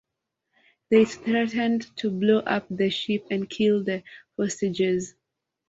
They threatened to blow up the ship and kill the hostages.